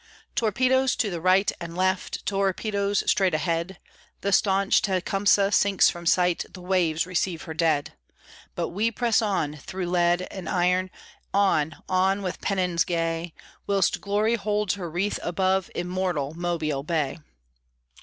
Torpedoes to the right and left, Torpedoes straight ahead! The stanch Tecumseh sinks from sight, The waves receive her dead. But on we press, thro' lead and iron, On, on with pennons gay, Whilst glory holds her wreath above Immortal Mobile Bay.